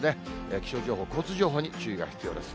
気象情報、交通情報に注意が必要です。